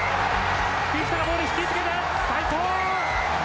フィフィタがボール引きつけて齋藤！